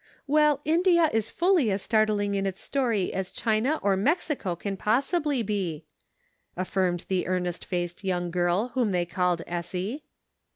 " Well, India, is fully as startling in its story as China or Mexico can possibly be," affirmed the earnest faced young girl whom they called Essie.